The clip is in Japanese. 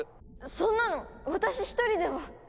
そんなの私１人では！